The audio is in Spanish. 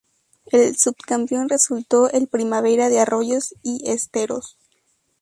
El subcampeón resultó el Primavera de Arroyos y Esteros.